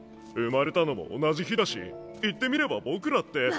生まれたのも同じ日だし言ってみれば僕らって。